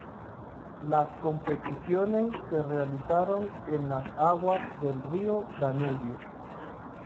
Las competiciones se realizaron en las aguas del río Danubio.